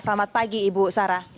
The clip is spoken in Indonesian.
selamat pagi ibu sarah